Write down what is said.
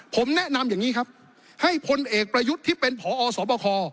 ผมแนะนำอย่างนี้ครับให้พลเอกประยุทธ์ที่เป็นผอสบค